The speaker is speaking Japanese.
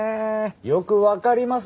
よく分かります